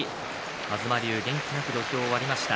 東龍、元気なく土俵を割りました。